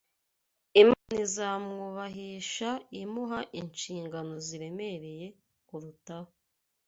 Imana izamwubahisha imuha inshingano ziremereye kurutaho.